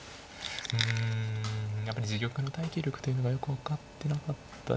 うんやっぱり自玉の耐久力というのがよく分かってなかったですね。